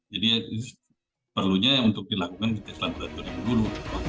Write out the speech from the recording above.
jadi perlunya untuk dilakukan kita selalu berat berat dulu